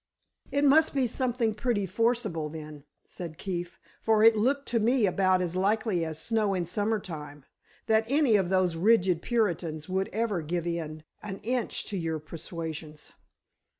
"It must be something pretty forcible, then," said Keefe, "for it looked to me about as likely as snow in summertime, that any of those rigid Puritans would ever give in an inch to your persuasions."